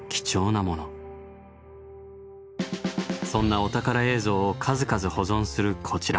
そんなお宝映像を数々保存するこちら。